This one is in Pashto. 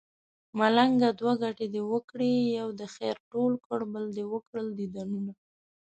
ملنګه دوه ګټې دې وکړې يو دې خير ټول کړو بل دې وکړل ديدنونه